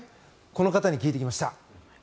この方に聞いてきました。